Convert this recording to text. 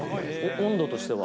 温度としては？